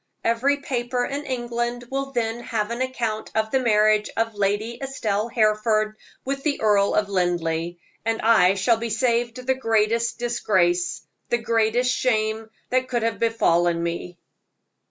Every paper in England will then have an account of the marriage of Lady Estelle Hereford with the Earl of Linleigh, and I shall be saved the greatest disgrace the greatest shame that could have befallen me.